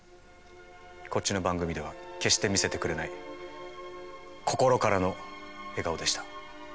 こっちの番組では決して見せてくれない心からの笑顔でした。